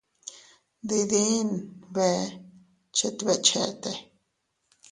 Diidin bee chet beʼe chete.